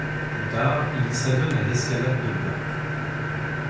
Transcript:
Plus tard, il s'adonne à l'escalade de bloc.